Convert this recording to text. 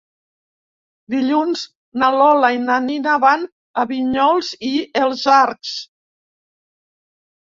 Dilluns na Lola i na Nina van a Vinyols i els Arcs.